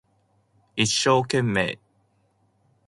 一生懸命